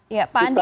ya pak andi